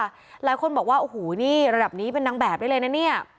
หลายคนบอกว่าโอ้โหนี่ระดับนี้เป็นนางแบบได้เลยนะเนี่ย